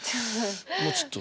もうちょっと。